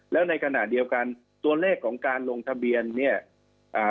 แล้วในขณะเดียวกันตัวเลขของการลงทะเบียนเนี่ยอ่า